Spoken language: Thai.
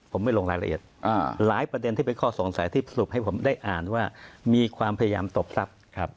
ผมไม่ลงรายละเอียดหลายประเด็นที่เป็นข้อสงสัยที่สรุปให้ผมได้อ่านว่ามีความพยายามตบทรัพย์ครับ